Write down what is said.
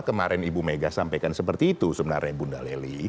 karena hal hal yang ibu mega sampaikan seperti itu sebenarnya bunda lely